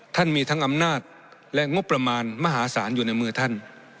ท่านมีทั้งอำนาจและงบประมาณมหาศาลอยู่ในมือท่าน